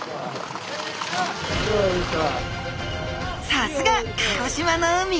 さすが鹿児島の海！